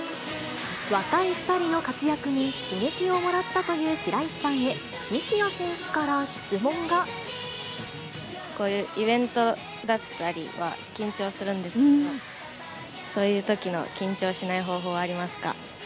若い２人の活躍に刺激をもらったという白石さんへ、こういうイベントだったりは、緊張するんですけど、そういうときの緊張しない方法はありますか。